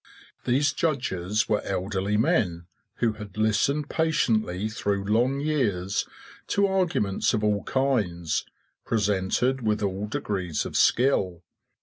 These judges were elderly men, who had listened patiently through long years to arguments of all kinds, presented with all degrees of skill.